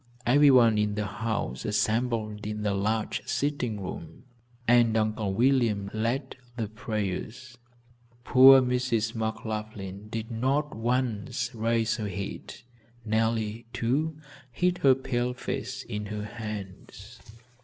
Everyone in the house assembled in the large sitting room, and Uncle William led the prayers. Poor Mrs. McLaughlin did not once raise her head. Nellie, too, hid her pale face in her hands.